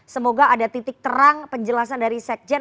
semoga ada titik terang penjelasan dari sekjen